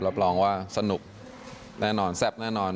รับรองว่าสนุกแน่นอนแซ่บแน่นอน